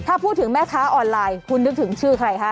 ถ้าพูดถึงแม่ค้าออนไลน์คุณนึกถึงชื่อใครคะ